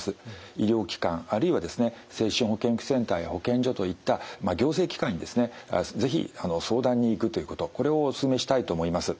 医療機関あるいはですね精神保健福祉センターや保健所といった行政機関にですね是非相談に行くということこれをお勧めしたいと思います。